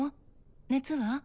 熱は？